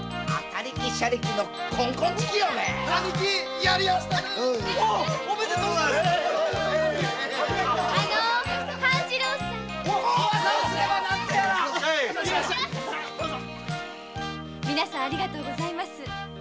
どうぞ皆さんありがとうございます